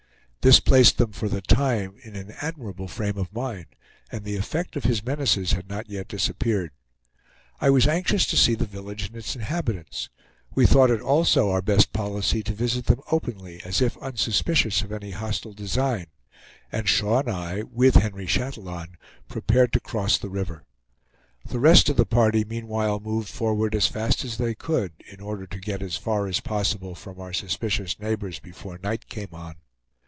This placed them for the time in an admirable frame of mind, and the effect of his menaces had not yet disappeared. I was anxious to see the village and its inhabitants. We thought it also our best policy to visit them openly, as if unsuspicious of any hostile design; and Shaw and I, with Henry Chatillon, prepared to cross the river. The rest of the party meanwhile moved forward as fast as they could, in order to get as far as possible from our suspicious neighbors before night came on.